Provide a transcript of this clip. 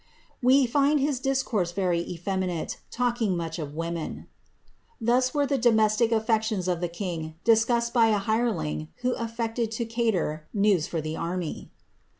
We find his discourse very effeminate, talking much of women.*^' Thui were the domestic auctions of the king discussed by a hireling who aflected to cater news for the anny.